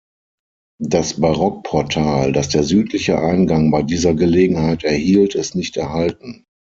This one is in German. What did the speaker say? Das Barockportal, das der südliche Eingang bei dieser Gelegenheit erhielt, ist nicht erhalten.